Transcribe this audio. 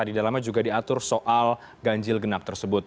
di dalamnya juga diatur soal ganjil genap tersebut